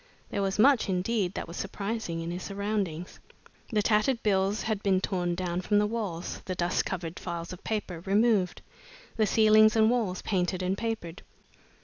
There was much, indeed, that was surprising in his surroundings. The tattered bills had been torn down from the walls, the dust covered files of papers removed, the ceilings and walls painted and papered.